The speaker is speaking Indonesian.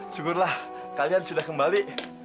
syukurlah kalian sudah kembali